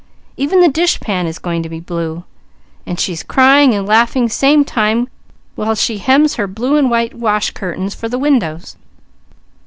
Even the dishpan is going to be blue, and she's crying and laughing same time while she hems blue and white wash curtains for the windows.